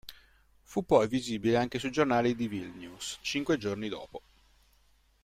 Fu poi visibile anche sui giornali di Vilnius cinque giorni dopo.